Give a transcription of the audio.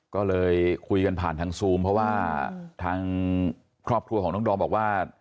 ก็เลยคุยกันผ่านทางซูมเพราะว่าทางครอบครัวของน้องดอมบอกว่า